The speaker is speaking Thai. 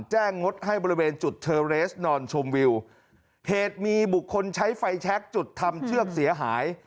งดให้บริเวณจุดเทอร์เรสนอนชมวิวเหตุมีบุคคลใช้ไฟแชคจุดทำเชือกเสียหาย